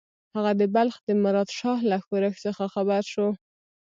هغه د بلخ د مراد شاه له ښورښ څخه خبر شو.